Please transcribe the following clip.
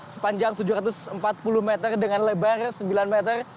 sepanjang tujuh ratus empat puluh meter dengan lebar sembilan meter